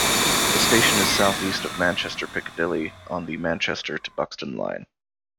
The station is south east of Manchester Piccadilly on the Manchester to Buxton line.